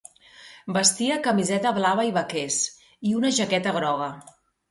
Vestia camiseta blava i vaquers, i una jaqueta groga.